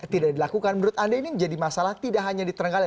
tidak dilakukan menurut anda ini menjadi masalah tidak hanya di terenggalek